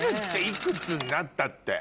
いくつになったって。